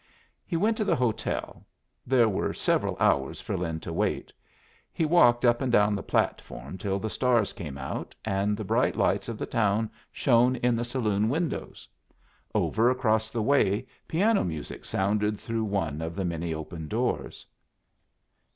He went to the hotel. There were several hours for Lin to wait. He walked up and down the platform till the stars came out and the bright lights of the town shone in the saloon windows. Over across the way piano music sounded through one of the many open doors.